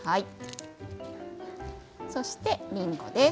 そしてりんごです。